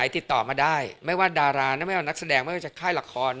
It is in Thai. ติดต่อมาได้ไม่ว่าดารานะไม่ว่านักแสดงไม่ว่าจะค่ายละคร